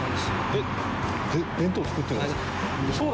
弁当作ってるんですか？